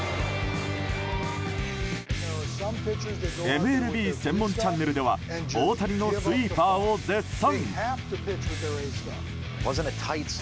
ＭＬＢ専門チャンネルでは大谷のスイーパーを絶賛。